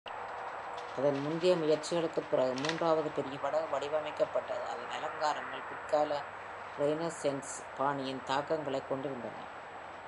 அதன் முந்தைய முயற்சிகளுக்குப் பிறகு மூன்றாவது பெரிய படகு வடிவமைக்கப்பட்டது. அதன் அலங்காரங்கள் பிற்கால Renaissance பாணியின் தாக்கங்களைக் கொண்டிருந்தன.